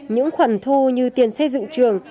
những khoản thu như tiền xây dựng trường